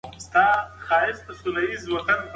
د موټر کلینډر له مسافرو کرایه غواړي.